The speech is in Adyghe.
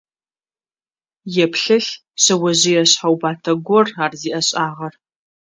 Еплъэлъ, шъэожъые шъхьэубатэ гор ар зиӏэшӏагъэр.